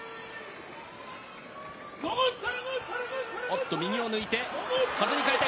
おっと、右を抜いて、はずに変えた。